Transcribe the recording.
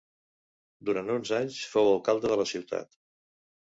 Durant uns anys fou alcalde de la ciutat.